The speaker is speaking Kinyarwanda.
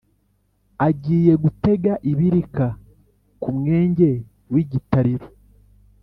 agiye gutega ibirika ku mwenge w'igitariro,